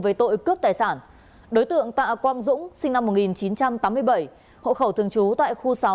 về tội cướp tài sản đối tượng tạ quang dũng sinh năm một nghìn chín trăm tám mươi bảy hộ khẩu thường trú tại khu sáu